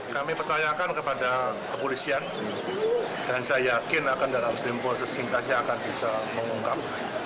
kami percayakan kepada kepolisian dan saya yakin akan dalam tempo sesingkatnya akan bisa mengungkap